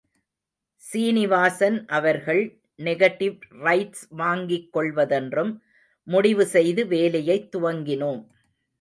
சீனிவாசன் அவர்கள் negative rights வாங்கிக் கொள்வதென்றும் முடிவு செய்து வேலையைத் துவங்கினோம்.